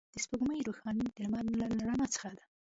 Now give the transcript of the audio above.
د سپوږمۍ روښنایي د لمر له رڼا څخه ده